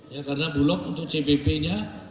ya karena bulog untuk cbp nya